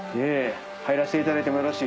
入らせていただいてもよろしい？